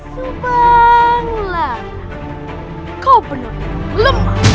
subanglah kau benar lemah